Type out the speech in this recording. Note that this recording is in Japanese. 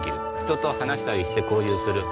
人と話したりして交流する。